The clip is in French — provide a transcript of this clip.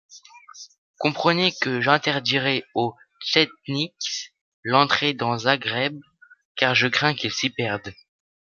Comprenez que j'interdirai aux tchetniks l'entrée dans Zagreb, car je crains qu'ils s'y perdent.